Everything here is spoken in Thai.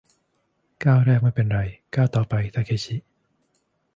ก้าวแรกไม่เป็นไร ก้าวต่อไปทาเคชิ